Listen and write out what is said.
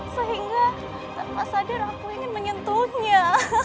sehingga tanpa sadar aku ingin menyentuhnya